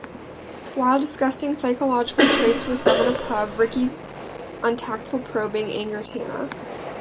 While discussing psychological traits with them in a pub, Ricky's untactful probing angers Hannah.